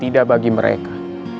tidak bagi mereka